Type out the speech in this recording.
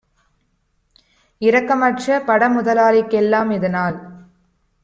இரக்கமற்ற படமுதலா ளிக்கெல்லாம் இதனால்